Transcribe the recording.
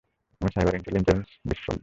আমি cyber intelligence বিশেষজ্ঞ।